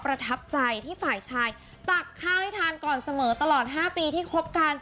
ประทับใจที่ฝ่ายชายตักข้าวให้ทานก่อนเสมอตลอด๕ปีที่คบกัน